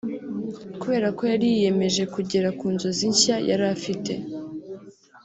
Kubera ko yari yiyemeje kugera ku nzozi nshya yari afite